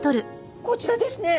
こちらですね。